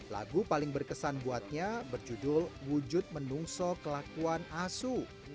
lagu paling berkesan buatnya berjudul wujud menungso kelakuan asu